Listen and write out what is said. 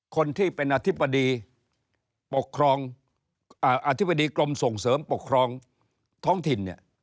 คนที่เป็นอธิบดีปกครองอธิบดีกรมส่งเสริมปกครองท้องถิ่นเนี่ย